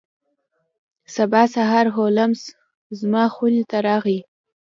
سبا سهار هولمز زما خونې ته راغی.